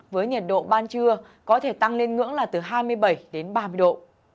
với nhiệt độ ban trưa có thể tăng lên ngưỡng là từ hai mươi bảy đến ba mươi độ